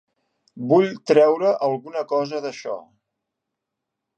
Vull treure alguna cosa d'això.